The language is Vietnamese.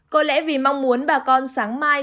có lẽ vì mong muốn bà con sáng mai